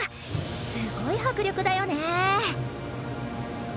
すごい迫力だよね。